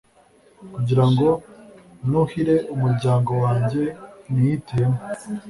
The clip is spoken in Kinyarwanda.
kugira ngo nuhire umuryango wanjye nihitiyemo,